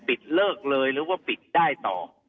ปิดเลิกเลยหรือได้ต่อ